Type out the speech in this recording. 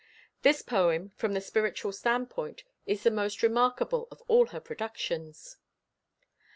This poem, from the spiritual standpoint, is the most remarkable of all her productions.